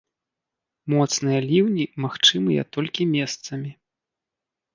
Моцныя ліўні магчымыя толькі месцамі.